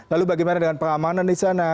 lalu bagaimana dengan pengamanan disana